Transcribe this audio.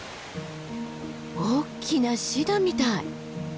おっきなシダみたい。